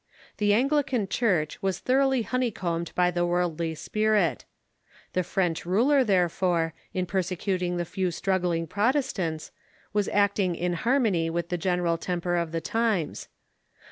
The Anglican Church was thoroughlj^ honeycombed by the worldly spirit. The French ruler, therefore, in persecuting the few struggling Protestants, was acting in harmony with the general temper of the times.